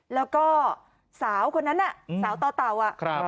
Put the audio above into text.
แล้วก็สาวคนนั้นน่ะสาวต่อเต่าอ่ะ